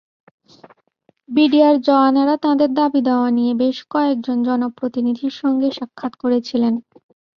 BDR জওয়ানেরা তাঁদের দাবিদাওয়া নিয়ে বেশ কয়েকজন জনপ্রতিনিধির সঙ্গে সাক্ষাত্ করেছিলেন।